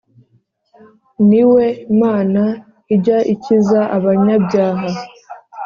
ni we mana ijya ikiza abanyabyaha.